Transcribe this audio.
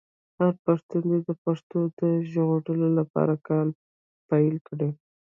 هر پښتون دې د پښتو د ژغورلو لپاره کار پیل کړي.